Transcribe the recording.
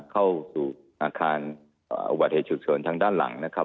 เข้าสู่อาคารอุบัติเหตุฉุกเฉินทางด้านหลังนะครับ